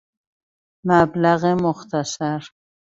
مبلغ مختصر